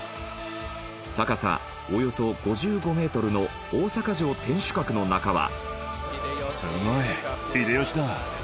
高さおよそ５５メートルの大阪城天守閣の中は。